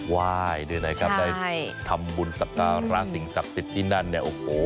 แถมได้ไหว้ได้ทำบุญสัตว์ภาระสิงศักดิ์สิทธิ์ที่นั่นเนี่ยโอ้โห